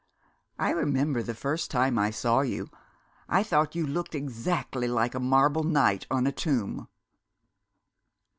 I remember the first time I saw you I thought you looked exactly like a marble knight on a tomb."